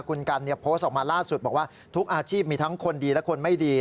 คุณกันโพสต์ออกมาล่าสุดบอกว่าทุกอาชีพมีทั้งคนดีและคนไม่ดี